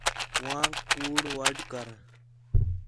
ہوآنک کُوڑ وڈھ کر